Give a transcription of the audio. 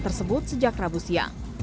tersebut sejak rabu siang